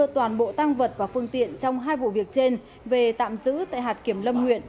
thuật và phương tiện trong hai vụ việc trên về tạm giữ tại hạt kiểm lâm nguyện